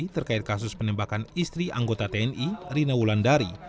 terkait kasus penembakan istri anggota tni rina wulandari